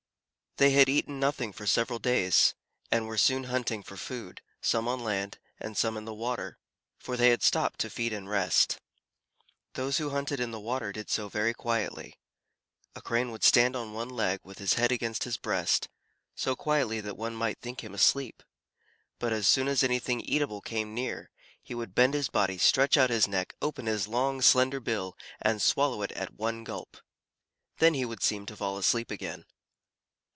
They had eaten nothing for several days, and were soon hunting for food, some on land, and some in the water, for they had stopped to feed and rest. Those who hunted in the water, did so very quietly. A Crane would stand on one leg, with his head against his breast, so quietly that one might think him asleep: but as soon as anything eatable came near, he would bend his body, stretch out his neck, open his long, slender bill, and swallow it at one gulp. Then he would seem to fall asleep again.